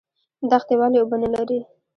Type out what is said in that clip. دښتې ولې اوبه نلري؟